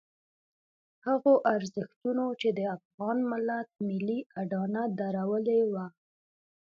هغو ارزښتونو چې د افغان ملت ملي اډانه درولې وه.